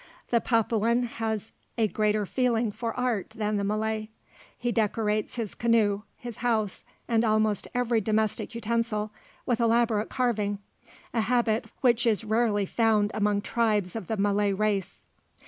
The Papuan has a greater feeling for art than the Malay. He decorates his canoe, his house, and almost every domestic utensil with elaborate carving, a habit which is rarely found among tribes of the Malay race.